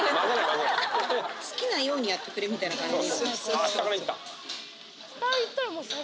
好きなようにやってくれみたいな感じ？